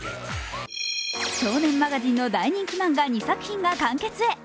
「少年マガジン」の大人気漫画、２作品が完結へ。